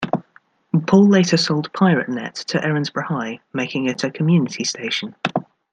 Paul later sold PirateNet to Erinsborough High, making it a community station.